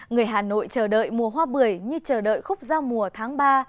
người hà nội chờ đợi mùa hoa bưởi như chờ đợi khúc giao mùa tháng ba